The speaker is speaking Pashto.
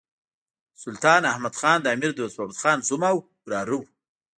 سلطان احمد خان د امیر دوست محمد خان زوم او وراره وو.